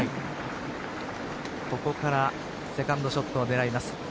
ここからセカンドショットを狙います。